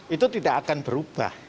itu tidak akan berubah